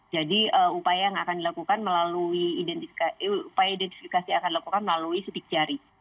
jadi upaya yang akan dilakukan melalui upaya identifikasi yang akan dilakukan melalui sidik jari